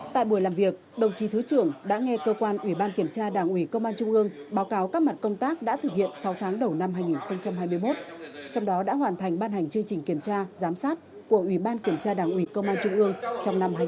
tại buổi làm việc đồng chí thứ trưởng đã nghe cơ quan ủy ban kiểm tra đảng ủy công an trung ương báo cáo các mặt công tác đã thực hiện sáu tháng đầu năm hai nghìn hai mươi một trong đó đã hoàn thành ban hành chương trình kiểm tra giám sát của ủy ban kiểm tra đảng ủy công an trung ương trong năm hai nghìn hai mươi ba